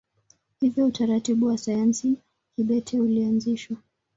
Hivyo utaratibu wa sayari kibete ulianzishwa.